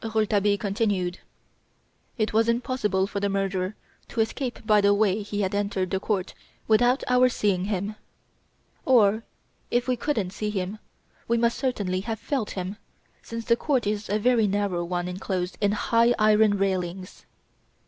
Rouletabille continued: "It was impossible for the murderer to escape by the way he had entered the court without our seeing him; or if we couldn't see him we must certainly have felt him, since the court is a very narrow one enclosed in high iron railings."